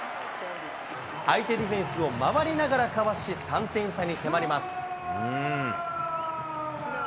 相手ディフェンスを回りながらかわし、３点差に迫ります。